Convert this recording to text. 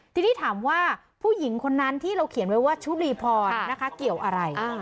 ทีนี้ถามว่าผู้หญิงคนนั้นที่เราเขียนไว้ว่าชุรีพรนะคะเกี่ยวอะไร